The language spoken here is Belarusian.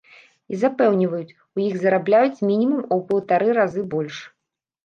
І запэўніваюць, у іх зарабляюць мінімум у паўтары разы больш.